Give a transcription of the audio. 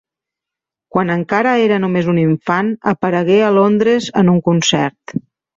Quan encara era només un infant aparegué a Londres en un concert.